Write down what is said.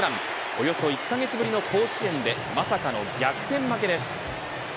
およそ１カ月ぶりの甲子園でまさかの逆転負けです。